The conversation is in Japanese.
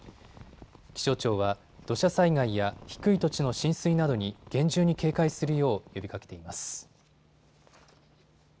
気象庁は土砂災害や低い土地の浸水などに厳重に警戒するよう呼びかけています。